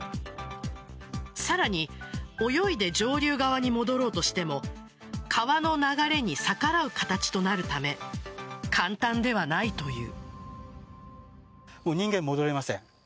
さらに泳いで上流側に戻ろうとしても川の流れに逆らう形となるため簡単ではないという。